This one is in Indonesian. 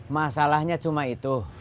masalahnya cuma itu